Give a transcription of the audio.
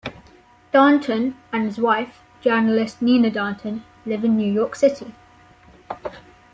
Darnton and his wife, journalist Nina Darnton, live in New York City.